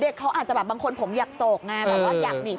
เด็กเขาอาจจะบางคนผมอยากโศกไงอยากถูกอยากห่วง